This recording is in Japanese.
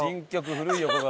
「古い横顔」